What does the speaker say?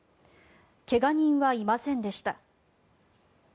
怪我人はいませんでした。